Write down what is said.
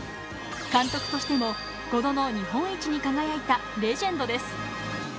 監督としても５度の日本一に輝いたレジェンドです。